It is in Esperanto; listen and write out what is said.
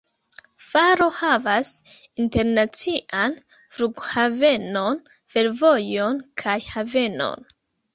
Faro havas internacian flughavenon, fervojon kaj havenon.